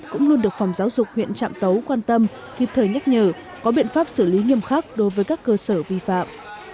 cũng luôn được phòng giáo dục huyện trạm tấu quan tâm kịp thời nhắc nhở có biện pháp xử lý nghiêm khắc đối với các cơ sở vi phạm